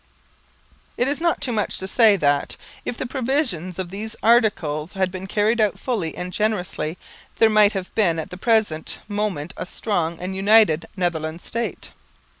_ It is not too much to say that, if the provisions of these Articles had been carried out fully and generously, there might have been at the present moment a strong and united Netherland State.